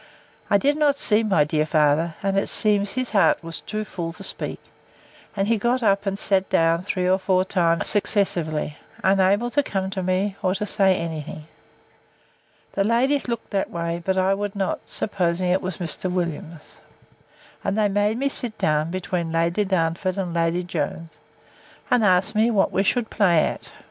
I did not see my dear father; and it seems his heart was too full to speak; and he got up, and sat down three or four times successively, unable to come to me, or to say any thing. The ladies looked that way: but I would not, supposing it was Mr. Williams. And they made me sit down between Lady Darnford and Lady Jones; and asked me, what we should play at?